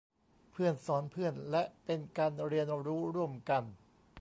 เพื่อนสอนเพื่อน และเป็นการเรียนรู้ร่วมกัน